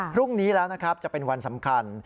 พรุ่งนี้แล้วนะครับจะเป็นวันสำคัญ